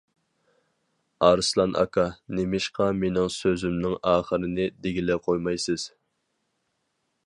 ئارسلان ئاكا، نېمىشقا مېنىڭ سۆزۈمنىڭ ئاخىرىنى دېگىلى قويمايسىز.